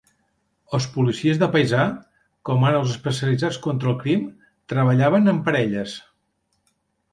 Els policies de paisà, com ara els especialitzats contra el crim, treballaven en parelles.